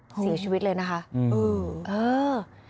เสียชีวิตเลยนะคะอืมเออ